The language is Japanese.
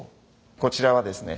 こちらはですね